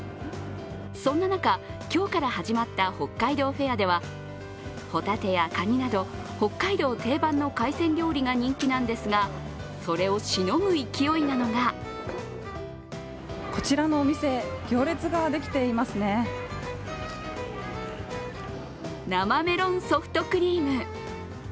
そんな中、今日から始まった北海道フェアでは帆立てやかになど北海道定番の海鮮料理が人気なんですがそれをしのぐ勢いなのが生メロンソフトクリーム。